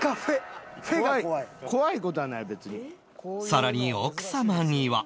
更に奥様には